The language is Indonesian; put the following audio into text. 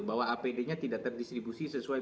bahwa apd nya tidak terdistribusi sesuai